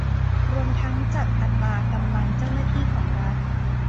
รวมทั้งจัดอัตรากำลังเจ้าหน้าที่ของรัฐ